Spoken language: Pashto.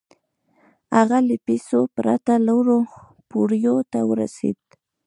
هغه له پيسو پرته لوړو پوړيو ته ورسېد.